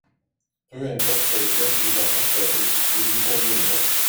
Peu importe lesquels vous apporterez, ils nous conviendront.